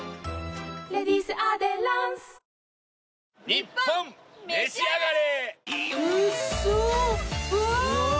『ニッポンめしあがれ』。